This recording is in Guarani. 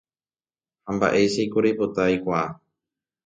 Ha mba'éichaiko reipota aikuaa